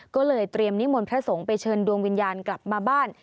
ก็เลยเตรียมนิมนต์พระสงฆ์ไปเชิญดวงวิญญาณกลับมาบ้าน